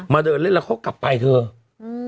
มาเดินเล่นแล้วก็กลับไปเถอะ